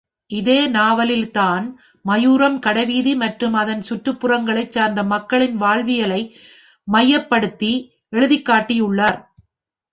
இதே நாவலில் தான் மாயூரம் கடைவீதி மற்றும் அதன் கற்றுப்புறங்களைச் சார்ந்த மக்களின் வாழ்வியலை மையப்படுத்தி எழுதிக்காட்டியுள்ளார்.